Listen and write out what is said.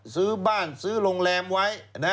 ซื้อบ้านซื้อโรงแรมไว้